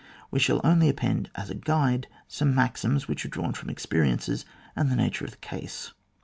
We shall only append, as a guide, some maxims which are drawn from ex perience and the nature of the case.